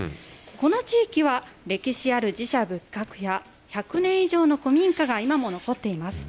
この地域は、歴史ある寺社仏閣や、１００年以上の古民家が今も残っています。